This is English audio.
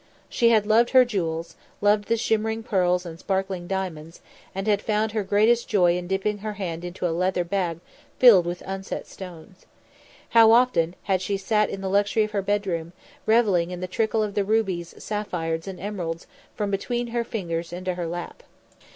She had loved her jewels, loved the shimmering pearls and sparkling diamonds, and had found her greatest joy in dipping her hand into a leather bag filled with unset stones. How often had she sat in the luxury of her bedroom, revelling in the trickle of the rubies, sapphires and emeralds from between her fingers into her lap.